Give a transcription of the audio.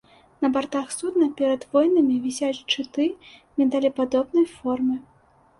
На бартах судна перад воінамі вісяць шчыты міндалепадобнай формы.